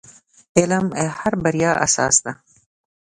• علم د هر بریا اساس دی.